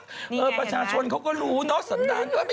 นี่ไงเห็นป่ะประชาชนเขาก็รู้เนอะสำนัก